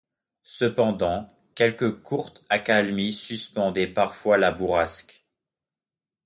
Cependant, quelques courtes accalmies suspendaient parfois la bourrasque.